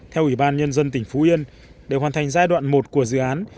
theo ủy ban nhân dân tỉnh phú yên để hoàn thành giai đoạn một của dự án